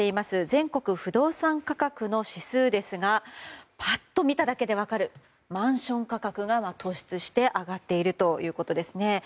全国不動産価格の指数ですがパッと見ただけで分かるマンション価格が突出して上がっているということですね。